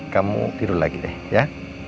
kamu tiru lagi deh ya